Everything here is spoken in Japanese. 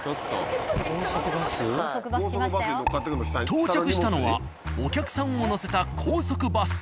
到着したのはお客さんを乗せた高速バス。